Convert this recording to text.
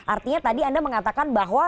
artinya tadi anda mengatakan bahwa